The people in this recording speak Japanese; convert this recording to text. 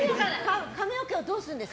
髪の毛をどうするんですか？